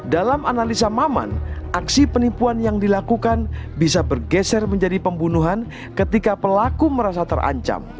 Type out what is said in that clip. dalam analisa maman aksi penipuan yang dilakukan bisa bergeser menjadi pembunuhan ketika pelaku merasa terancam